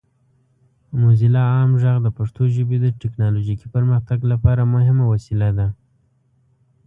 موزیلا عام غږ د پښتو ژبې د ټیکنالوجیکي پرمختګ لپاره مهمه وسیله ده.